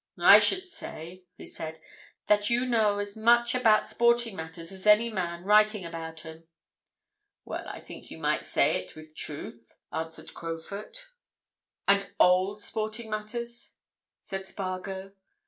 "I should say," he said, "that you know as much about sporting matters as any man writing about 'em?" "Well, I think you might say it with truth," answered Crowfoot. "And old sporting matters?" said Spargo.